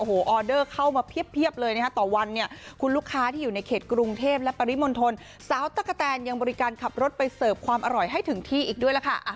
โอ้โหออเดอร์เข้ามาเพียบเลยนะคะต่อวันเนี่ยคุณลูกค้าที่อยู่ในเขตกรุงเทพและปริมณฑลสาวตะกะแตนยังบริการขับรถไปเสิร์ฟความอร่อยให้ถึงที่อีกด้วยล่ะค่ะ